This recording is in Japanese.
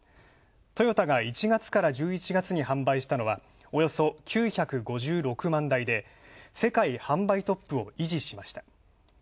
トヨタが１月から１１月に販売したのは、およそ９５６万台で世界販売トップを維持しました。